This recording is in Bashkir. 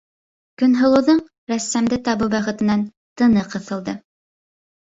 - Көнһылыуҙың рәссамды табыу бәхетенән тыны ҡыҫылды.